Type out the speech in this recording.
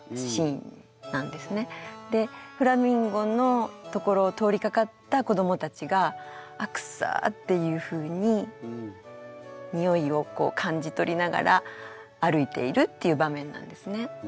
でフラミンゴの所を通りかかった子どもたちが「あっくっさー」っていうふうににおいをこう感じ取りながら歩いているっていう場面なんですね。